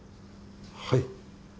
はい。